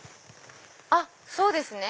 あっそうですね。